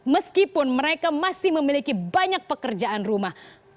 meskipun mereka masih memiliki banyak pekerjaan rumah